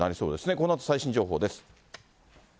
このあと最新情報です。